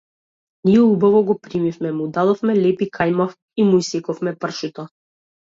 Ние убаво го примивме, му дадовме леб и кајмак и му исековме пршута.